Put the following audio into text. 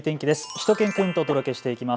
しゅと犬くんとお届けしていきます。